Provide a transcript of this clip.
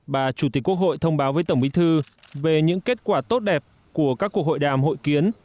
bà chủ tịch quốc hội thông báo với tổng bí thư về những kết quả tốt đẹp của các cuộc hội đàm hội kiến